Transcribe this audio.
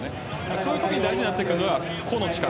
そういうときに大事になるのが個の力。